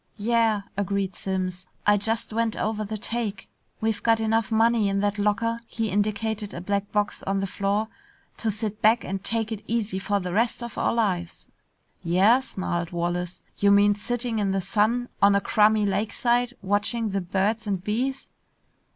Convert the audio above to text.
"Yeah," agreed Simms. "I just went over the take. We've got enough money in that locker" he indicated a black box on the floor "to sit back and take it easy for the rest of our lives." "Yeah?" snarled Wallace. "You mean sitting in the sun on a crummy lakeside, watching the birds and bees?"